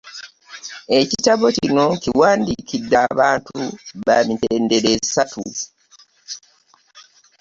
Ekitabo kino nkiwandiikidde abantu ba mitendera esatu: